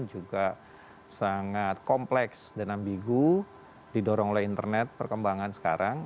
juga sangat kompleks dan ambigu didorong oleh internet perkembangan sekarang